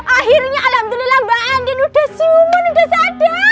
akhirnya alhamdulillah mbak andien udah siuman udah sadar